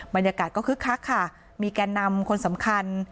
บรรยากาศก็คึกคักค่ะมีแก่นำคนสำคัญ